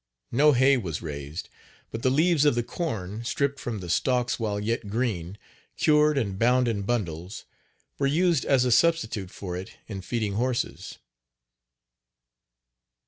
No hay was raised, but the leaves of the corn, stripped from the stalks while yet green, cured and bound in bundles, were used as a substitute for it in feeding horses.